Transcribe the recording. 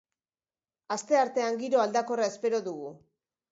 Asteartean, giro aldakorra espero dugu.